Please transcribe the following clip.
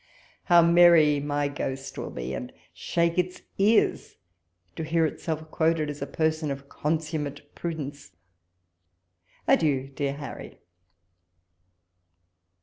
How merry my ghost will be, and shake its ears to hear itself quoted as a person of consummate prudence ! Adieu, dear Harry